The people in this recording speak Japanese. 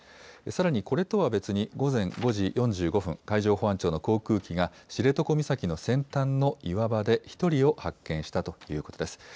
さらにこれとは別に、午前５時４５分、海上保安庁の航空機が知床岬の先端の岩場で、１人を発見したということです。